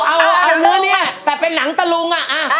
เอานี่แต่เป็นหนังตะลุงอะอะ